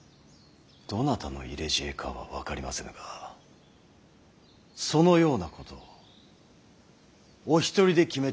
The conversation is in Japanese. どなたの入れ知恵かは分かりませぬがそのようなことをお一人で決めてしまわれてはならない。